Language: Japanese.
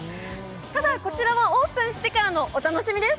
ただ、こちらはオープンしてからのお楽しみです。